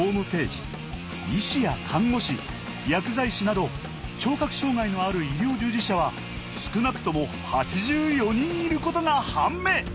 医師や看護師薬剤師など聴覚障害のある医療従事者は少なくとも８４人いることが判明！